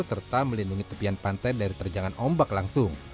serta melindungi tepian pantai dari terjangan ombak langsung